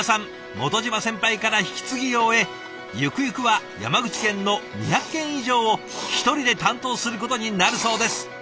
元島先輩から引き継ぎを終えゆくゆくは山口県の２００軒以上を１人で担当することになるそうです。